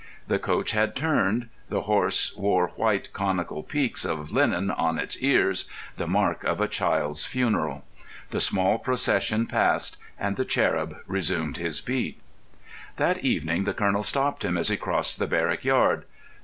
The coach had turned; the horse wore white conical peaks of linen on its ears—the mark of a child's funeral. The small procession passed, and the cherub resumed his beat. That evening the colonel stopped him as he crossed the barrack yard.